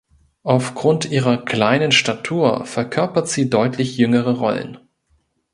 Aufgrund ihrer kleinen Statur verkörpert sie deutlich jüngere Rollen.